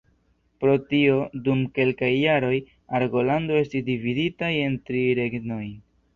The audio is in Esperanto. Pro tio, dum kelkaj jaroj, Argolando estis dividitaj en tri regnojn.